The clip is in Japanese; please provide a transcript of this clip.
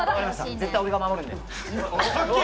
絶対俺が守るんで。